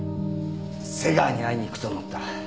瀬川に会いに行くと思った。